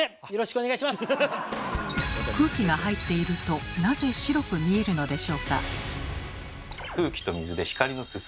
空気が入っているとなぜ白く見えるのでしょうか？